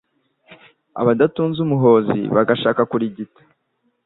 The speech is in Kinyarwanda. Abadatunze Umuhozi, Bagashaka kurigita,